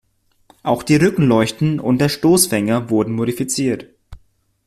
Auch die Rückleuchten und der Stoßfänger wurden modifiziert.